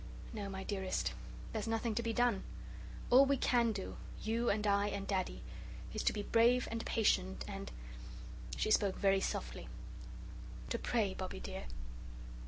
No, my dearest, there's nothing to be done. All we can do, you and I and Daddy, is to be brave, and patient, and " she spoke very softly "to pray, Bobbie, dear."